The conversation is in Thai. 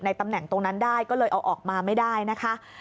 ตำแหน่งตรงนั้นได้ก็เลยเอาออกมาไม่ได้นะคะ